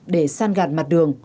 để san gạt mặt đường